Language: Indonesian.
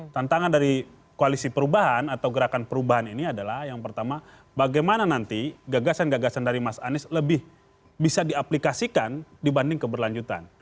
tantangan dari koalisi perubahan atau gerakan perubahan ini adalah yang pertama bagaimana nanti gagasan gagasan dari mas anies lebih bisa diaplikasikan dibanding keberlanjutan